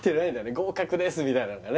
合格ですみたいなのがね